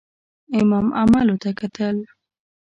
امام عملو ته کتل.